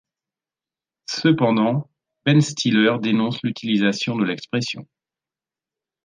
Cependant, Ben Stiller dénonce l'utilisation de l'expression.